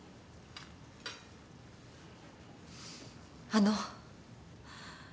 あの。